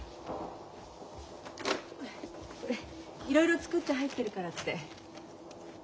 これいろいろ作って入ってるからって。